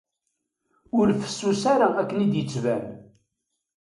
Ur fessus ara akken i d-yettban.